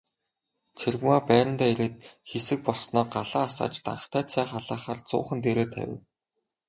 Цэрэгмаа байрандаа ирээд хэсэг болсноо галаа асааж данхтай цай халаахаар зуухан дээрээ тавив.